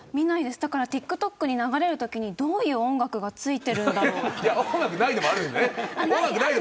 ＴｉｋＴｏｋに流れるときにどういう音楽が付いているんだろう。